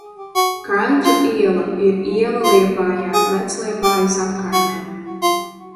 Kaļķu iela ir iela Liepājā, Vecliepājas apkaimē.